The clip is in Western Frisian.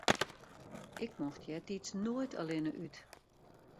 Ik mocht eartiids noait allinne út.